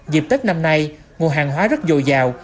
dịp tết năm nay nguồn hàng hóa rất dồi dào